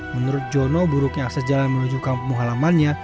menurut jono buruknya akses jalan menuju kampung halamannya